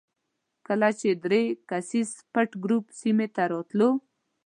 کله چې درې کسیز پټ ګروپ سیمې ته راتلو.